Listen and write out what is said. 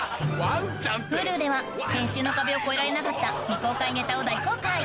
Ｈｕｌｕでは編集の壁を越えられなかった未公開ネタを大公開！